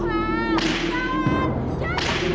aku memang sudah selesai mengambil alihkan pembahaman dari kata saya